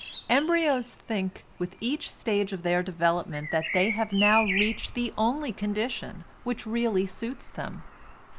Embryos think with each stage of their development that they have now reached the only condition which really suits them.